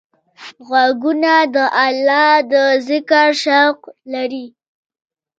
غوږونه د الله د ذکر شوق لري